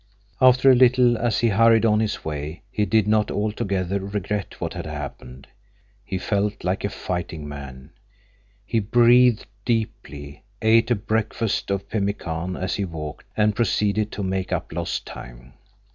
After a little, as he hurried on his way, he did not altogether regret what had happened. He felt like a fighting man. He breathed deeply, ate a breakfast of pemmican as he walked, and proceeded to make up lost time.